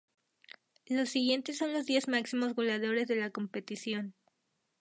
Los siguientes son los diez máximos goleadores de la competición.